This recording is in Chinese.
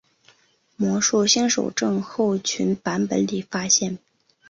魔术新手症候群版本里发现。